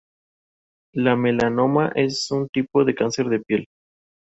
Sus dibujos refuerzan la carga expresiva de los personajes proletarios, pobres y explotados.